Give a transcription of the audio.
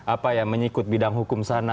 apa ya mengikut bidang hukum sana